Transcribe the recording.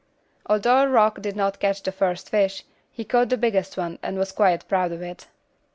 Although Rock did not catch the first fish, he caught the biggest one, and was quite proud of it.